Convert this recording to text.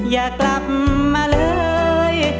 อย่ากลับมาเลย